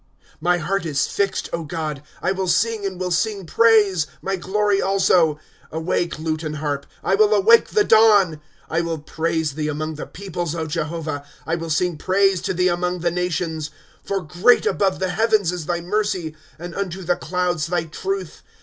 '^ Mr heart is fixed, God ; I will sing, and will sing praise, — my glory also, * Awake lute and harp ; I will awake the dawn !' I will praise thee among the peoples, Jehovah ; I will siiig praise to thee among Ihe nations. * For great above the heavens is thy mercy, And unto the clouds thy truth.